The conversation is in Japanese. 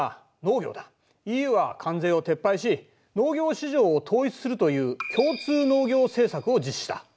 ＥＵは関税を撤廃し農業市場を統一するという共通農業政策を実施した。